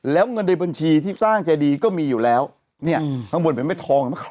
แล้วเงินในบัญชีที่สร้างเจดีก็มีอยู่แล้วเนี่ยข้างบนเป็นแม่ทอง